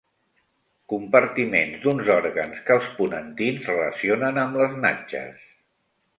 Compartiments d'uns òrgans que els ponentins relacionen amb les natges.